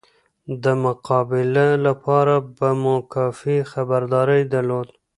د مقابله لپاره به مو کافي خبرداری درلود.